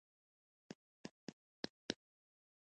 له شل لوري به ویکینګیان راسم شول.